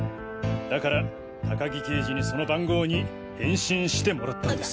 だから高木刑事にその番号に返信してもらったんです。